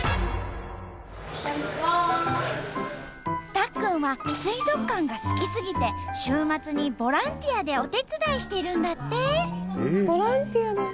たっくんは水族館が好きすぎて週末にボランティアでお手伝いしてるんだって。